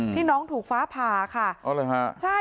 ที่น้องถูกฟ้าผ่าค่ะ